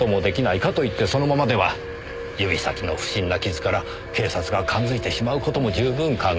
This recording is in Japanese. かといってそのままでは指先の不審な傷から警察が感づいてしまう事も十分考えられる。